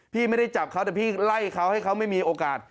พี่ไม่ได้จับเขาแต่พี่ไล่เขาให้เขาไม่มีโอกาส